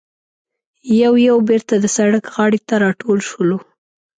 یو یو بېرته د سړک غاړې ته راټول شولو.